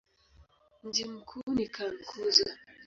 Mji mkuu ni Cankuzo.